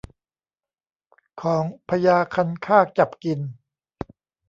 ของพญาคันคากจับกิน